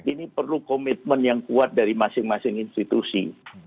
ini perlu komitmen yang kuat dari masing masing institusi